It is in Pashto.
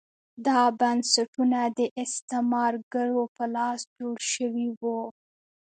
دا بنسټونه د استعمارګرو په لاس جوړ شوي وو.